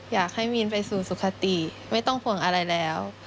อยากให้มีนไปสู่สุขติไม่ต้องห่วงอะไรแล้ว